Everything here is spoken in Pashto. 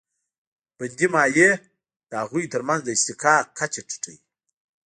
بندي مایع د هغوی تر منځ د اصطحکاک کچه ټیټوي.